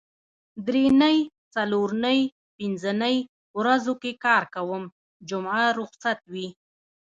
درېنۍ څلورنۍ پینځنۍ ورځو کې کار کوم جمعه روخصت وي